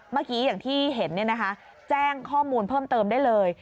เมื่อกี้อย่างที่เห็นแจ้งข้อมูลเพิ่มเติมได้เลย